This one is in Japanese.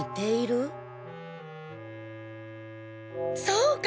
そうか！